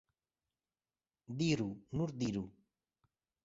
Diru, nur diru!